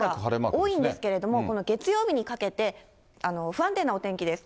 多いんですけれども、この月曜日にかけて、不安定なお天気です。